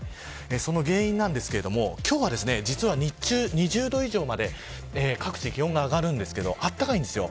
その原因なんですが今日は実は日中、２０度以上まで各地気温が上がるんですがあったかいんですよ。